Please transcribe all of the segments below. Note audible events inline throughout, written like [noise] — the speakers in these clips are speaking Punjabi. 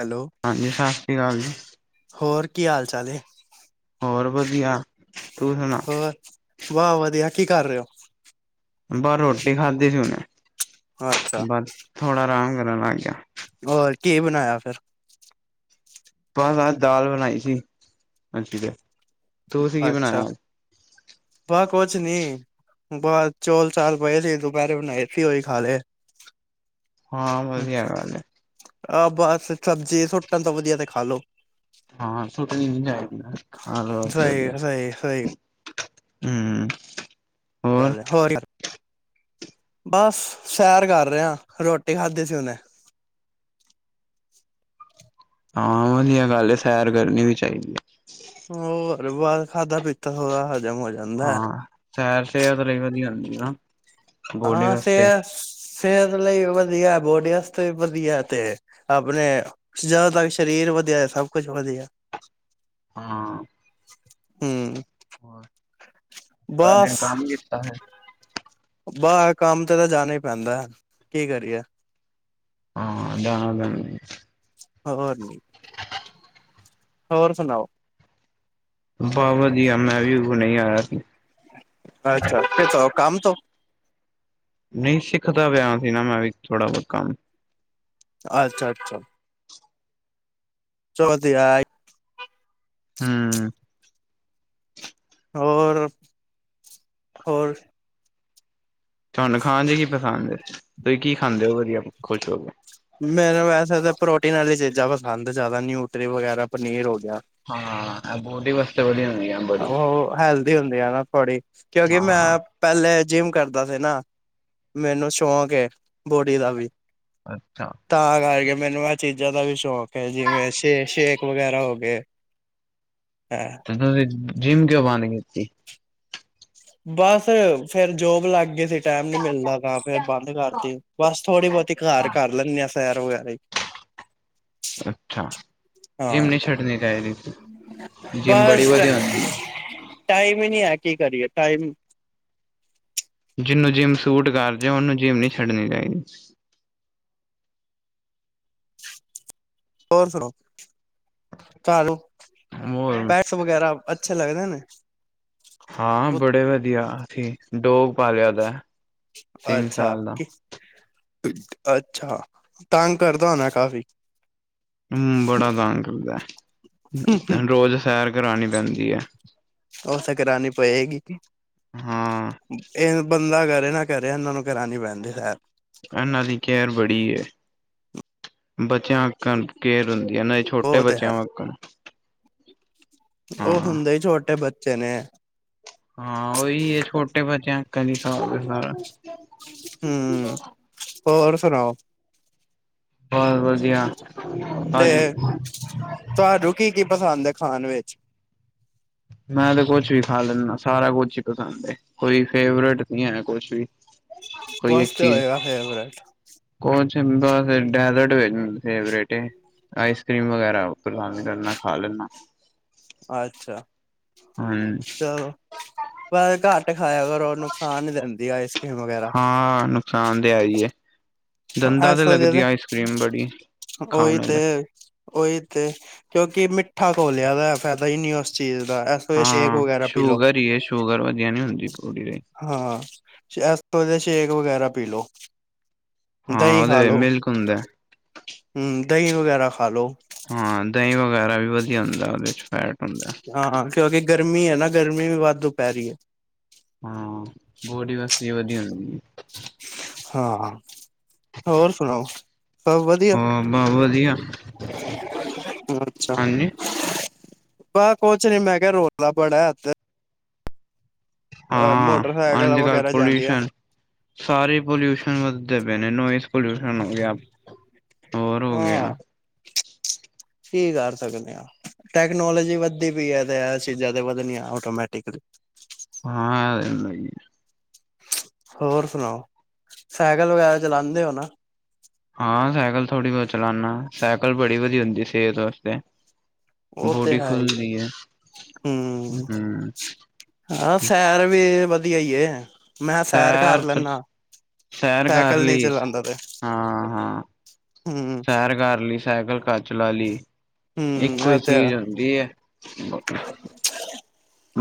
ਹੈਲੋ, ਹਾਂਜੀ ਸਤਿ ਸ਼੍ਰੀ ਅਕਾਲ ਜੀ ਹੋਰ ਕੀ ਹਾਲ ਚਾਲ ਹੈ? ਹੋਰ ਵਧੀਆ ਤੂੰ ਸੁਣਾ ਹੋਰ, ਵਾਹ ਵਧੀਆ, ਕੀ ਕਰ ਰਹੇ ਹੋ? ਬਸ ਰੋਟੀ ਖਾਧੀ ਸੀ ਹੁਨੇ, ਅੱਛਾ, ਬਸ ਥੋੜਾ ਆਰਾਮ ਕਰਨ ਲੱਗ ਗਿਆ। ਹੋਰ ਕੀ ਬਣਾਇਆ ਫਿਰ? ਪਤਾ ਨੀ ਦਾਲ ਬਣਾਈ ਸੀ, ਅੰਟੀ ਦੇ, ਤੁਸੀਂ ਕੀ ਬਣਾਇਆ ਅੱਜ? ਬਾਹ ਕੁਛ ਨੀਂ, ਬਾਹ ਚੋਲ ਚਾਲ ਪਏ ਸੀ, ਦੁਪਹਿਰੇ ਬਣਾਏ ਸੀ, ਉਹੀ ਖਾ ਲਏ। ਹਾਂ ਵਧੀਆ ਗੱਲ ਹੈ ਆਹ ਬਸ ਸਬਜ਼ੀ ਸੁੱਟਣ ਤੋਂ ਵਧੀਆ, ਤੇ ਖਾ ਲੋੋ। ਹਾਂ ਸੁੱਟਣੀ ਨਹੀਂ ਚਾਹੀਦੀ, ਖਾ ਲੋ, ਇਸ ਤੇ ਸਹੀ ਵਧੀਆ। ਸਹੀ ਸਹੀ ਹਮ। ਹੋਰ, ਬਸ ਸੈਰ ਕਰ ਰਿਹਾ, ਰੋਟੀ ਖਾਧੀ ਸੀ ਹੁਨੇ। ਹਾਂ ਵਧੀਆ ਗੱਲ ਏ, ਸੈਰ ਕਰਨੀਂ ਵੀ ਚਾਹੀਦੀ ਹੈ। ਹੋਰ ਬਾ ਖਾਧਾ ਪੀਤਾ ਥੋੜਾ ਹਜਮ ਹੋ ਜਾਂਦਾ ਹੈ। ਹਾਂ, ਸੈਰ ਸਿਹਤ ਲਈ ਵਧੀਆ ਹੁੰਦੀ ਆ। ਹਾਂ ਸਿਹਤ, ਸਿਹਤ ਲਈ ਵਧੀਆ, ਬੋਡੀ ਵਾਸਤੇ ਵੀ ਵਧੀਆ, ਤੇ ਆਪਣੇ, ਜਦੋਂ ਤੱਕ ਸਰੀਰ ਵਧੀਆ, ਸਭ ਕੁਛ ਵਧੀਆ। ਹਾਂ, ਹੂੰ ਹੋਰ ਸਾਰਾ ਬਸ ਦਿਨ ਕੰਮ ਕੀਤਾ। [inaudible] ਬਾਹਰ ਕੰਮ ਤੇ ਤਾਂ ਜਾਣਾ ਹੀ ਪੈਂਦਾ, ਕੀ ਕਰੀਏ। ਹਾਂ ਜਾਣਾ ਪੈਂਦਾ ਆ। ਹੋਰ ਨੀਂ। [inaudible] ਹੋਰ ਸੁਣਾਓ? ਬਹੁ ਵਧੀਆ, ਮੈਂ ਵੀ ਹੁਨੇ ਹੀਂ ਆਇਆ ਸੀ। ਅੱਛਾ ਕਿਥੋਂ ਕੰਮ ਤੋਂ ਨਹੀਂ ਸਿੱਖਦਾ ਪਿਆ ਸੀ ਨਾਂ ਮੈਂ ਵੀ ਥੋੜਾ-ਬਹੁਤ ਕੰਮ। ਅੱਛਾ-ਅੱਛਾ। ਚਲੋ ਵਧੀਆ ਆ। ਹਮ। ਹੋਰ-ਹੋਰ। ਤੁਹਾਨੂੰ ਖਾਣ ਜੇ ਕੀ ਪਸੰਦ ਹੈ? ਤੁਸੀਂ ਕੀ ਖਾਂਦੇ ਹੋ ਵਧੀਆ ਖੁਸ਼ ਹੋ ਕੇ ਮੈਨੂੰ ਵੈਸੇ ਤਾਂ ਪ੍ਰੋਟੀਨ ਵਾਲੀਆਂ ਚੀਜ਼ਾਂ ਪਸੰਦ ਜ਼ਿਆਦਾ ਨਿਊਟਰੀ ਵਗੈਰਾ ਪਨੀਰ ਹੋ ਗਿਆ। ਹਾਂ ਆ ਬੋਡੀ ਵਾਸਤੇ [unintelligible] ਉਹ ਹੈਲਦੀ ਹੁੰਦੀ ਆ ਨਾ ਥੋੜੀ ਕਿਉਂਕਿ ਮੈਂ ਹਾਂ ਪਹਿਲੇ ਜਿੰਮ ਕਰਦਾ ਸੀ ਨਾ [inaudible] ਮੈਨੂੰ ਸ਼ੌਂਕ ਏ ਬੋਡੀ ਦਾ ਵੀ ਅੱਛਾ। ਤਾਂ ਕਰਕੇ ਮੈਨੂੰ ਇਹ ਚੀਜ਼ਾਂ ਦਾ ਵੀ ਸ਼ੌਂਕ ਹੈ ਜਿਵੇਂ ਸ਼ੇ -ਸ਼ੇਕ ਵਗੈਰਾ ਹੋ ਗਏ ਹੈ। ਤਾਂ ਕਰਕੇ ਜਿੰਮ ਜੋਇਨ ਕੀਤੀ। ਬਸ ਫੇਰ ਜੋਬ ਲੱਗ ਸੀ। ਟਾਈਮ ਨੀ ਮਿਲਦਾ ਤਾਂ ਫੇਰ ਬੰਦ ਕਰਤੀ ਬਸ ਥੋੜੀ ਬਹੁਤੀ ਘਰ ਕਰ ਲੈਂਦੇ ਹ ਸੈਰ ਵਗੈਰਾ ਅੱਛਾ। ਜਿੰਮ ਨਹੀਂ ਹਾਂ ਛੱਡਣੀ ਚਾਹੀਦੀ, ਜਿੰਮ ਬੜੀ ਬਸ ਵਧੀਆ ਹੁੰਦੀ ਹੈ। ਟਾਈਮ ਹੀ ਨੀ ਹੈ ਕੀ ਕਰੀਏ, ਟਾਈਮ ਜਿਹਨੂੰ ਜਿੰਮ ਸੂਟ ਕਰਜੇ ਓਨੂੰ ਜਿੰਮ ਨਹੀਂ ਛੱਡਣੀ ਚਾਹੀਦੀ। ਹੋਰ ਸੁਣਾਓ ਘਰ ਹੋਰ ਪੈਕਸ ਵਗੈਰਾ ਅੱਛੇ ਲੱਗਦੇ ਨੇ ਹਾਂ ਬੜੇ ਵਧੀਆ, ਅਸੀ ਡੋਗ ਪਾ ਲਿਆ ਦਾ ਤਿੰਨ ਅੱਛਾ- ਸਾਲ ਦਾ ਕੀ, ਅੱਛਾ ਤੰਗ ਕਰਦਾ ਹੋਣਾ ਕਾਫ਼ੀ ਹਮ ਬੜਾ ਤੰਗ ਕਰਦਾ, ਰੋਜ਼ ਸੈਰ ਕਰਾਉਣੀ ਪੈਂਦੀ ਹੈ। ਉਹ ਤਾਂ ਕਰਾਣੀ ਪਏਗੀ ਕਿ ਹਾਂ ਇਹ ਬੰਦਾ ਕਰੇ ਨਾ ਕਰੇ ਇਹਨਾਂ ਨੂੰ ਕਰਾਨੀ ਪੈਂਦੀ ਹੈ। ਇਹਨਾਂ ਦੀ ਕੇਅਰ ਬੜੀ ਹੈ, ਬੱਚਿਆਂ ਕਰਕੇ [unintelligible] ਹੁੰਦੀ ਹੈ ਇਹਨਾਂ ਛੋਟੇ ਉਹ ਤੇ ਹੈ ਬੱਚਿਆਂ ਵਾਂਗ ਕਰ ਉਹ ਹੁੰਦੇ ਹੀ ਛੋਟੇ ਬੱਚੇ ਨੇ। ਹਾਂ ਉਹੀ ਹੈ ਛੋਟੇ ਬੱਚਿਆਂ ਕਰੀ ਸਾਂਭ ਸੰਭਾਲ। ਹਮ, ਹੋਰ ਸੁਣਾਓ ਬਹੁਤ ਵਧੀਆ, ਤੇ ਹਾਂਜੀ [unintelligible] ਤੁਹਾਨੂੰ ਕੀ -ਕੀ ਪਸੰਦ ਹੈ ਖਾਣ ਵਿੱਚ ਮੈਂ ਤੇ ਕੁਛ ਵੀ ਖਾ ਲੈਦਾ ਸਾਰਾ ਕੁਛ ਹੀ ਪਸੰਦ ਹੈ ਕੋਈ ਫੇਵਰੇਟ ਨੀ ਹੈ ਕੁਝ ਵੀ ਕੁਝ ਤੇ ਹੋਏਗਾ ਫੇਵਰੇਟ ਕੁਛਦਾਸ ਡੈਜ਼ਰਟ ਵਿੱਚ ਮੇਰੀ ਫੈਬਰਟ ਹੈ। ਆਈਸ ਕਰ੍ਰੀਮ ਵਗੈਰਾ ਬਣਾ ਵੀ ਲੈਨਾ ਖਾ ਲੈਂਣਾ ਅੱਛਾ, ਹਾਂ ਚਲੋ ਪਰ ਘੱਟ ਖਾਇਆ ਕਰੋ ਉਹ ਨੁਕਸਾਨ ਨੀ ਦਿੰਦੀ ਆਈਸਕ੍ਰੀਮ ਹਾਂ ਨੁਕਸਾਨ ਤਾਂ ਹੈ ਈ ਐ ਦੰਦਾਂ ਤੇ ਇਸ ਲੱਗਦੀ ਵਜ੍ਹਾ ਆ ਆਈਸਕ੍ਰੀਮ ਬੜੀ, ਉਹੀ ਖਾਣ ਤੇ ਵੇਲੇ ਉਹੀ ਤੇ ਕਿਉਂਕਿ ਮਿੱਠਾ ਕੋਲਿਆ ਦਾ ਫਾਇਦਾ ਹੀ ਨਹੀਂ ਉਸ ਚੀਜ਼ ਦਾ ਵਜ੍ਹਾ ਸ਼ੇਕ ਹਾਂ ਵਗੈਰਾ ਪੀ ਲਓ ਸ਼ੂਗਰ ਹੀ, ਸ਼ੂਗਰ ਵਧੀਆ ਨੀ ਹੁੰਦੀ ਬੋਡੀ ਹਾਂ, ਜਿਸ ਤੋਂ ਜਾ ਸ਼ੇਕ ਵਗੈਰਾ ਪੀ ਲਓ। ਹਾਂ ਦਹੀਂ ਉਹਦੇ ਖਾ ਵਿੱਚ ਲੋੋ, ਮਿਲਕ ਹੁੰਦਾ ਹਮ ਦਹੀਂ ਵਗੈਰਾ ਖਾ ਲੋ ਹਾਂ ਦਹੀਂ ਵਗੈਰਾ ਵੀ ਵਧੀਆ ਹੁੰਦਾ ਉਹਦੇ ਚ ਫੈਟ ਹੁੰਦਾ ਹਾਂ- ਹਾਂ ਕਿਉਂਕਿ ਗਰਮੀ ਐ ਨਾ ਗਰਮੀ ਵੀ ਵਾਧੂ ਪੈ ਰਹੀ ਐ। ਹਾਂ, ਬੋਡੀ ਵਾਸਤੇ ਵੀ ਵਧੀਆ ਹਾਂ, ਹੋਰ ਸੁਣਾਓ। ਸਭ ਵਧੀਆ ਹਮ ਬਸ ਵਧੀਆ, ਹਾਂਜੀ ਆਹ, ਬਸ ਕੁਛ ਨਹੀਂ ਮੈਂ ਕਿਹਾ ਰੌਲਾ ਬੜਾ ਇਧਰ ਹਾਂ, ਮੋਟਰਸਾਈਕਲ ਅੱਜ -ਕੱਲ੍ਹ ਵਗੈਰਾ ਜਾਂਦੀਆਂ ਪੋਲਿਊਸ਼ਨ ਸਾਰੇ ਪੋਲਿਊਸ਼ਨ ਵਧਦੇ ਪਏ ਨੇ ਨੋਇਜ਼ ਪੋਲਿਊਸ਼ਨ ਹੋ ਗਿਆ, ਹੋਰ ਹੋ ਹਾਂ ਗਿਆ ਕੀ ਕਰ ਸਕਦੇ ਆ। ਟੈਕਨੋਲੋਜੀ ਵੱਧਦੀ ਪਈ ਐ ਤੇ ਆ ਚੀਜ਼ਾਂ ਤੇ ਵਧਣੀਆਂ ਆਟੋਮੈਟਿਕਲੀ [unintelligible] ਹੋਰ ਸੁਣਾਓ, ਸਾਈਕਲ ਵਗੈਰਾ ਚਲਾਉਂਦੇ ਔ ਨਾ ਹਾਂ ਸਾਈਕਲ ਥੋੜ੍ਹੀ ਬਹੁਤ ਚਲਾਨਾ। ਸਾਈਕਲ ਬੜੀ ਵਧੀਆ ਹੁੰਦੀ ਸਿਹਤ ਵਾਸਤੇ। ਉਹ ਤੇ ਬੋਡੀ ਹੈ ਹੀ ਆ ਖੁੱਲਦੀ ਏ। ਹਮ ਹਾਂ, ਸੈਰ ਵੀ ਵਧੀਆ ਏ। ਮੈਂ ਸੈਰ ਕਰ ਲੈਣਾ। ਸੈਰ ਕਰ ਲਈ ਹਾਂ -ਹਾਂ। ਹਮ ਸੈਰ ਕਰ ਲਈ ਸੈਕਲ ਘਰ ਚਲਾ ਲਈ ਹਮ ਇੱਕੋ ਹੀ ਇਹ ਤੇ ਹੈ ਚੀਜ਼ ਹੁੰਦੀ ਏ।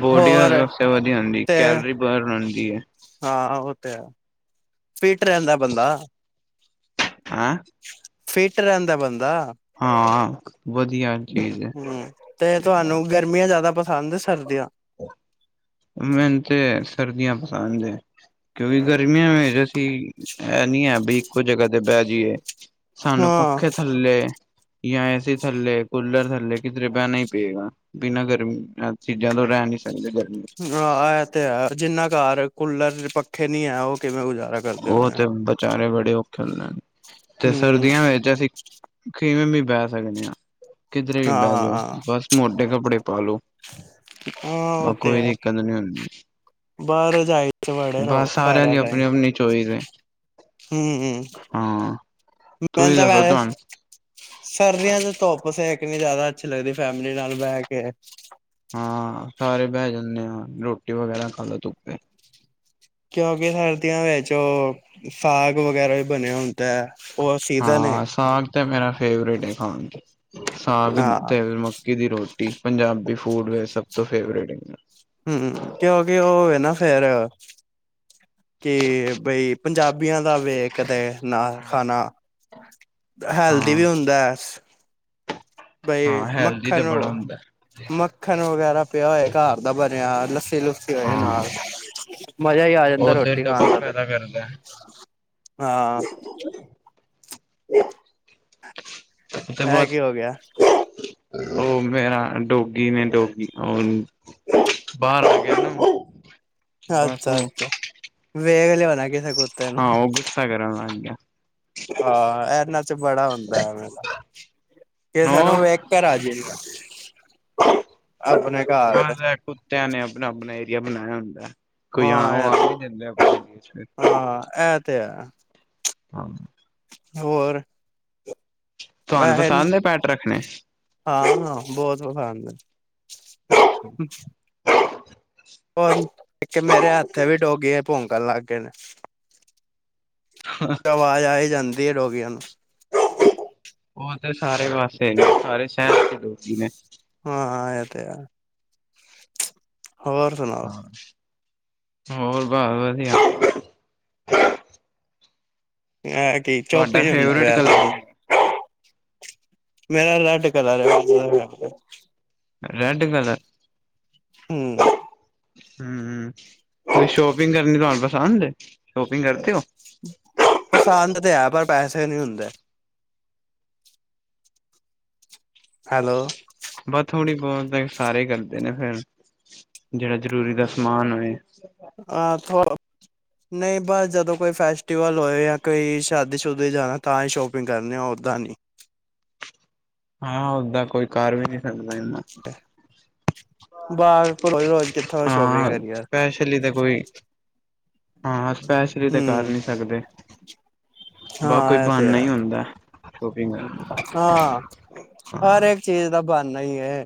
ਬੋਡੀ ਹੋਰ ਵਾਸਤੇ ਵਧੀਆ ਹੁੰਦੀ। ਤੇ ਕੈਲਰੀ ਬਰਨ ਹੁੰਦੀ ਏ। ਹਾਂ ਉਹ ਤੇ ਹੈ। ਫਿੱਟ ਰਹਿੰਦਾ ਬੰਦਾ। ਹਾਂ। ਫੱਟ ਰਹਿੰਦਾ ਏ ਬੰਦਾ। ਹਾਂ। ਵਧੀਆ ਚੀਜ਼ ਏ। ਹੂੰ ਤੇ ਤੁਹਾਨੂੰ ਗਰਮੀਆਂ ਜ਼ਿਆਦਾ ਪਸੰਦ ਸਰਦੀਆਂ। ਮੈਨੂੰ ਤੇ ਸਰਦੀਆਂ ਪਸੰਦ ਏ। ਕਿਉਂਕਿ ਗਰਮੀਆਂ ਵਿੱਚ ਅਸੀਂ ਇਹ ਨੀ ਏ। ਇੱਕੋ ਜਗ੍ਹਾ ਤੇ ਬਹਿ ਜਾਏ। ਸਾਨੂੰ ਹਾਂ ਪੱਖੇ ਥੱਲੇ, ਜਾ ਏਸੀੇ ਥੱਲੇ, ਕੂਲਰ ਥੱਲੇ ਕਿਧਰੇ ਬਹਿਣਾ ਹੀ ਪੀਏਗਾ। ਬਿਨਾਂ ਗਰਮੀ ਚੀਜ਼ਾਂ ਤੋਂ ਰਹਿਣ ਆਹ ਇਹ ਤੇ ਐ। ਜਿੰਨਾ ਘਰ ਕੂਲਰ ਪੱਖੇ ਨੀ ਐ। ਉਹ ਕਿਵੇਂ ਗੁਜ਼ਾਰਾ ਕਰਦੇ ਉਹ ਹੋਣੇ ਤੇ ਵਿਚਾਰੇ ਬੜੇ ਔਖੇ ਹੁੰਦੇ ਨੇ ਤੇ ਹੂੰ ਸਰਦੀਆਂ ਵਿੱਚ ਅਸੀ ਕਿਵੇਂ ਵੀ ਬਹਿ ਸਕਦੇ ਆ। ਕਿਧਰੇ ਵੀ ਹਾਂ ਬਹਿ ਜਾਓ। ਹਾਂ ਬਸ ਮੋਟੇ ਕੱਪੜੇ ਪਾਲੋ। ਕੋਈ ਦੀ ਕਦਰ ਨਹੀਂ ਹੁੰਦੀ। ਬਾਰ ਰਜਾਈ ਚ ਵੜੇ ਰਿਹੋ ਬਸ ਸਾਰਿਆਂ ਸਾਰਾ ਦੀ ਟਾਈਮ। ਆਪਣੀ ਆਪਣੀ ਚੋਇਸ ਹੈ ਹਮ ਹਮ। ਹਾਂ ਮੈਨੂੰ ਤੁਸੀਂ ਤਾਂ ਦੱਸੋ ਕਹਿੰਦਾ ਤੁਹਾਨੂੰ ਸੀ। ਸਰਦੀਆਂ ਚ ਧੁੱਪ ਸੇਕਣੀ। ਜ਼ਿਆਦਾ ਅੱਛੀ ਲੱਗਦੀ ਫੈਮਲੀ ਨਾਲ ਬੈ‌ਹ ਕੇ। ਹਾਂ। ਸਾਰੇ ਬਹਿ ਜਾਂਦੇ ਆ। ਰੋਟੀ ਵਗੈਰਾ ਖਾਲੋ ਧੁੱਪੇ। ਕਿਉਂਕਿ ਸਰਦੀਆਂ ਵਿੱਚ ਓ ਸਾਗ ਵਗੈਰਾ ਵੀ ਬਣਿਆ ਹੁੰਦਾ। ਉਹ ਸੀਜ਼ਨ ਏ ਹਾਂ, ਸਾਗ ਤਾਂ ਮੇਰਾ ਫੇਵਰੇਟ ਏ ਖਾਣ ਚ। ਸਾਗ ਹਾਂ ਤੇ ਮੱਕੀ ਦੀ ਰੋਟੀ। ਪੰਜਾਬੀ ਫੂਡ ਸਭ ਤੋਂ ਫੇਟਰੇਟ। ਹਮ ਕਿਉਂਕਿ ਉਹਵੇ ਨਾ ਫਿਰ ਕਿ ਬਈ ਪੰਜਾਬੀਆਂ ਦਾ ਵੀ ਕਦੇ ਨਾ ਹਾਂ ਖਾਣਾ। ਹੈਲਦੀ ਵੀ ਹਾਂ ਹੁੰਦਾ। ਬਈ ਹਾਂ ਹੈਲਦੀ ਤੇ ਬੜਾ ਮੱਖਣ- ਹੁੰਦਾ ਮੱਖਣ ਵਗੈਰਾ ਪਿਆ ਹੋਆ ਘਰ ਦਾ ਬਣਿਆ ਲੱਸੀ -ਲੁੱਸੀ। ਹਾਂ ਨਾਲ ਮਜ਼ਾ ਈ ਆ ਜਾਂਦਾ। ਉਹ ਤੇ ਰੋਟੀ ਖਾਣ ਡਬਲ ਦਾ ਤੇ। ਫਾਇਦਾ ਕਰਦਾ ਹਾਂ। [unintelligible] ਉਹ ਇਹ ਬਾਅਦ ਕੀ ਹੋ ਗਿਆ ਉਹ ਮੇਰਾ ਡੋਗੀ ਨੇ ਡੋਗੀ। ਉਹ ਬਾਹਰ ਆ ਗਿਆ ਨਾ। ਬਸ ਅੱਛਾ ਉਹ ਅੱਛਾ। ਵੇਖ ਲਿਆ ਹੋਣਾ ਹਾਂ, ਉਹ ਗੁੱਸਾ ਕਰਨ ਲਗ ਗਿਆ। ਆ, ਇਹਨਾਂ ਚ ਬੜਾ ਹੁੰਦਾ ਆ ਵੇਲਾ। ਕਿ ਸਾਨੂੰ ਉਹ ਇੱਕ ਰਾਜੇ ਆ ਆਪਣੇ ਘਰ ਤੇ ਬਸ ਇਹ ਕੁੱਤਿਆਂ ਨੇ ਆਪਣਾ-ਆਪਣਾ ਏਰੀਆ ਬਣਾਇਆ ਹੁੰਦਾ। ਕੋਈ ਹਾਂ ਆ-ਆਣ ਇਹ ਨਹੀਂ ਦਿੰਦੇ ਆਪਣੇ ਏਰੀਏ 'ਚ ਫਿਰ ਹਾਂ ਇਹ ਤੇ ਹੈ ਹੋਰ। ਤੁਹਾਨੂੰ ਵੈਸੇ ਪਸੰਦ ਏ ਪੈੱਟ ਰੱਖਣੇ? ਹਾਂ ਬਹੁਤ ਲੋਕ ਹੋਰ ਇੱਕ ਮੇਰੇ ਹੱਥੇ ਵੀ ਡੋਗੀ ਏ ਭੋਂਕਣ ਲੱਗ ਗਏ ਨੇ। ਆਵਾਜ਼ ਆਈ ਈ ਜਾਂਦੀ ਏ ਡੋਗੀਆਂ ਨੂੰ। ਉਹ ਤੇ ਸਾਰੇ ਪਾਸੇ ਹੈਗੇ ਏ ਸਾਰੇ ਸ਼ਹਿਰ 'ਚ ਡੋਗੀ ਨੇ। ਹਾਂ ਇਹ ਤੇ ਆ, ਹੋਰ ਸੁਣਾਓ ਹਾਂ, ਹੋਰ ਬਸ ਵਧੀਆ ਆ ਕੀ ਚੁੱਪ ਹੀ ਤੁਹਾਡਾ ਨੀ ਹੁੰਦਾ ਫੇਵਰੇਟ ਪਿਆ ਕਲਰ ਕਿਹੜਾ ਤੂੰ ਮੇਰਾ ਨਾਲ [unintelligible] ਰੈਡ ਕਲਰ ਹਮ ਹਮ ਫਿਰ ਸ਼ੋਪਿੰਗ ਕਰਨੀ ਤੁਹਾਨੂੰ ਪਸੰਦ ਸ਼ੋਪਿੰਗ ਕਰਤੇ ਹੋ। ਪਸੰਦ ਤੇ ਹੈ, ਪਰ ਪੈਸੇ ਨੀ ਹੁੰਦੇ। ਹੈਲੋ। ਬਸ ਥੋੜ੍ਹੀ ਬਹੁਤ ਤੇ ਸਾਰੇ ਕਰਦੇ ਨੇ ਫੇਰ ਜਿਹੜਾ ਜ਼ਰੂਰੀ ਦਾ ਸਮਾਨ ਹੋਏ। ਆਹ ਥੋ ਨਹੀਂ ਬਸ ਜਦੋਂ ਕੋਈ ਫੈਸਟੀਵਲ ਹੋਏ ਜਾਂ ਕੋਈ ਸ਼ਾਦੀ ਸ਼ੁਦੀ ਜਾਣਾ ਤਾਂ ਹੀ ਸ਼ੋਪਿੰਗ ਕਰਨੀ ਹੋ ਉੱਦਾਂ ਨੀਂ। ਹਾਂ ਓਦਾਂ ਕੋਈ ਕਰ ਵੀ ਨੀ ਸਕਦਾ ਇਨਾ ਬਸ, ਰੋਜ਼ -ਰੋਜ਼ ਕਿੱਥੋ ਸ਼ੋਪਿੰਗਾਂ ਹਾਂ ਕਰਨੀਆਂ ਅਸੀਂ। ਸਪੈਸ਼ਲੀ ਕੋਈ, ਹਾਂ ਸਪੈਸ਼ਲੀ ਤਾਂ ਕਰ ਹਮ ਨੀ ਸਕਦੇ। ਬਸ ਕੋਈ ਹਾਂ ਇਹ ਤੇ ਬਾਣਾ ਹੈ ਹੀ ਹੁੰਦਾ ਸ਼ੋਪੀਗ ਕਰਨ ਹਾਂ ਦਾ। ਹਰ ਇੱਕ ਚੀਜ਼ ਦਾ ਬਾਨਾ ਈ ਏ।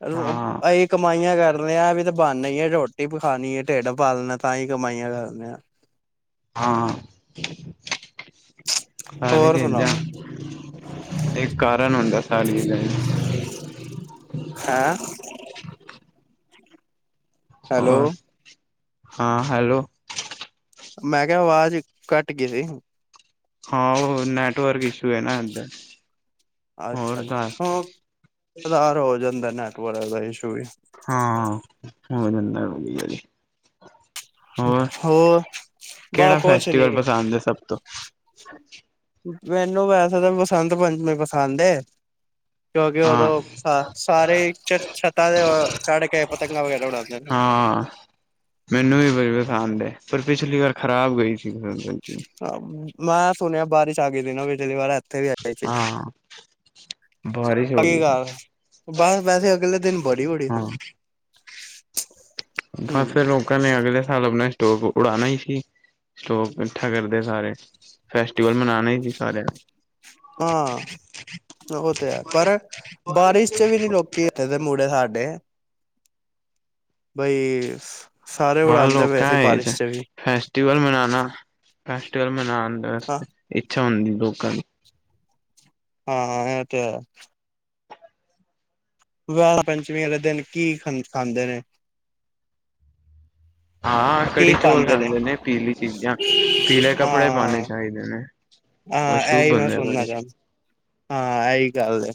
[unintelligible] ਹਾਂ ਕਮਾਈਆਂ ਕਰਦੇ ਆ ਐਵੀਂ ਤਾਂ ਬਾਣਾ ਈ ਐ ਰੋਟੀ ਵੀ ਖਾਣੀ ਏ ਢਿੱਡ ਪਾਲਣਾ ਤਾਂ ਹੀ ਕਮਾਈਆਂ ਕਰਦੇ ਆ। ਹਾਂ। ਸਾਰੇ ਹੋਰ ਕਹਿੰਦੇ ਆ, ਸੁਣਾਓ ਕੋਈ ਕਾਰਨ ਹੁੰਦਾ ਸਾਰੀਆ ਚੀਜ਼ਾਂ ਦਾ। ' [unintelligible] ਹੈਲੋ ਹੋਰ ' [inaudible] ' ਹਾਂ ਹੈਲੋ। ਮੈਂ ਕਿਹਾ ਆਵਾਜ਼ ਘੱਟ ਗਈ ਸੀ। ਹਾਂ, ਉਹ ਨੈਟਵਰਕ ਇਸ਼ੂ ਹੈ ਨਾ ਐ ਅੱਜ। ਅੱਛਾ-ਅੱਛਾ, ' [unintelligible] ' ਹੋ ਜਾਂਦਾ ਨੈਟਵਰਕ ਦਾ ਇਸੂ ਵੀ। ਹਾਂ, ਹੋੰ ਜਾਂਦਾ ਕਈ ਵਾਰੀ ਹੋਰ, ਬਾ ਕਿਹੜਾ ਕੁਛ ਨੀ। ' [unintelligible] ਮੈਨੂੰ ਵੈਸੇ ਤਾਂ ਬਸੰਤ ਪੰਚਮੀ ਪਸੰਦ ਐ। ਕਿਉਂਕਿ ਹਾਂ ਉਦੋਂ ਸਾ ਸਾਰੇ ਛ ਛੱਤਾਂ ਦੇ ਚੜ ਕੇ ਪਤੰਗਾਂ ਵਗੈਰਾ ਉਡਾਉਂਦੇ ਨੇ। ਹਾਂ ਮੈਨੂੰ ਵੀ ਬੜੀ ਪਸੰਦ ਆ, ਪਰ ਪਿਛਲੀ ਵਾਰ ਖ਼ਰਾਬ ਗਈ ਸੀ ਬਸੰਤ ਪੰਚਮੀ। ਮੈਂ ਸੁਣਿਆ ਬਾਰਿਸ਼ ਆ ਗਈ ਸੀ ਪਿਛਲੀ ਵਾਰੀ ਇੱਥੇ ਵੀ ਆਏ ਗਈ ਸੀ। ਹਾਂ ਬਾਰਿਸ਼ ਹੋ ਸਹੀ ਗਈ ਗੱਲ ਆ ਬਾਰਿਸ ਵੈਸੇ ਅਗਲੇ ਦਿਨ ਬੜੀ-ਬੜੀ ਹਾਂ ਸੀ।' ' [unintelligible] ਬ ਫਿਰੋ ਲੋਕਾਂ ਅਗਲੇ ਸਾਲ ਆਪਣਾ ਸਟੋਕ ਉਡਾਣਾ ਹੀ ਸੀ, ਸਟੋਕ ਇਕੱਠਾ ਕਰਦੇ ਸਾਰੇ। ਫੈਸਟੀਵਲ ਮਨਾਣਾ ਸੀ ਸਾਰਿਆਂ ਨੇ' ਹਾਂ ' [inaudible] ਉਹ ਤੇ ਹੈ, ਪਰ ਬਾਰਿਸ਼ 'ਚ' ਵੀ ਨੀ ਲੋਕੀ ਇਥ ਦੇ ਮੁੜੇ ਸਾਡੇ। ਬਈ, ਸਾਰੇ ਬਾਹਰ ਉੜਾਉਂਦੇ ਪਏ ਸੀ ਲੋਕਾਂ ਬਾਰਿਸ਼ 'ਚ' ਵੀ। ਫੈਸਟੀਵਲ ਮਣਾਨਾ, ਫੈਸਟੀਵਲ ਮਨਾਉਣ ਹਾਂ ਵਾਸਤੇ ਇੱਛਾ ਹੁੰਦੀ ਲੋਕਾਂ ਦੀ। ਹਾਂ-ਹਾ ਇਹ ਤੇ ਹੈ। ਵਹ ਪੰਚਮੀ ਵਾਲੇ ਦਿਨ ਕੀ ਖ ਖਾਂਦੇ ਨੇ। ਹਾਂ, ਕੜੀ ਕੀ ਚੋਲ ਪਾਉਂਦੇ ਖਾਂਦੇ ਨੇ, ਪੀਲੀ ਚੀਜ਼ਾਂ, ਪੀਲੇ ਕੱਪੜੇ ਪਾਂਣੇ ਹਾਂ ਚਾਹੀਦੇ ਨੇ। ਉਹ ਹਾਂ ਸ਼ੂ ਇਹੀ ਬਣ ਮੈਂ ਦੇ ਸੁਣਨਾ ਵੜੇ ਚਾਹੁੰਦਾ ਹਾਂ, ਆਈ ਗੱਲ ਏ,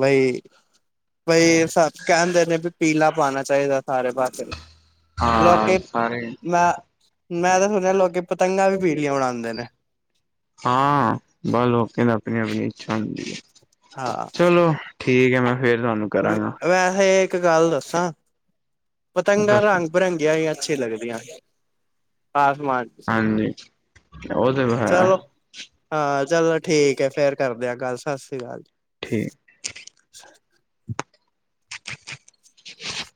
ਬਈ, ਬਈ ਸਾ ਕਹਿੰਦੇ ਨੇ ਵੀ ਪੀਲਾ ਪਾਉਣਾ ਚਾਹੀਦਾ ਸਾਰੇ ਪਾਸੇ। ਹਾਂ ਲੋਕੀਂ ਸਾਰੇ ਮੈਂ-ਮੈਂ ਤਾਂ ਸੁਣਿਆਂ ਲੋਕੀਂ ਪਤੰਗਾਂ ਵੀ ਪੀਲੀਆਂ ਓਡਾਂਦੇ ਨੇ ਹਾਂ ਬੱਸ ਲੋਕਾਂ ਦੀ ਆਪਣੀ-ਆਪਣੀ ਇੱਛਾ ਹੁੰਦੀ ਐ ਹਾਂ ਚਲੋ ਠੀਕ ਐ ਮੈਂ ਫ਼ੇਰ ਤੁਹਾਨੂੰ ਕਰਾਂਗਾ। ਵੈਸੇ ਇੱਕ ਗੱਲ ਦੱਸਾਂ ਪਤੰਗਾਂ ਰੰਗ ਬਿਰੰਗੀਆਂ ਈ ਅੱਛੀ ਲੱਗਦੀਆਂ ਆਸਮਾਨ ਹਾਂਜੀ ਉਹ ਤੇ ਹੈ ਚਲੋ ਹਾਂ, ਚਲੋ ਠੀਕ ਐ, ਫ਼ੇਰ ਕਰਦੇ ਆਂ ਗੱਲ ਸਸ੍ਰੀ ਕਾਲ ਜੀ। ਠੀਕ ' [inaudible] ' [inaudible]